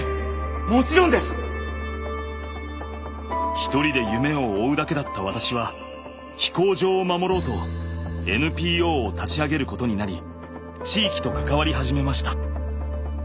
一人で夢を追うだけだった私は飛行場を守ろうとＮＰＯを立ち上げることになり地域と関わり始めました。